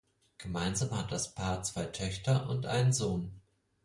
Gemeinsam hat das Paar zwei Töchter und einen Sohn.